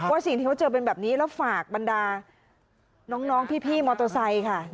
สิ่งที่เขาเจอเป็นแบบนี้แล้วฝากบรรดาน้องพี่มอเตอร์ไซค์ค่ะ